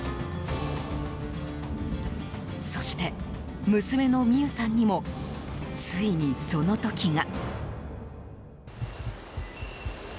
そして、娘の巳夢さんにもついにその時が。